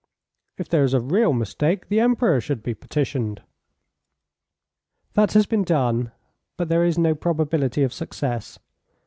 If there is a real mistake, the Emperor should be petitioned." "That has been done, but there is no probability of success.